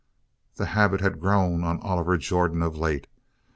The habit had grown on Oliver Jordan of late.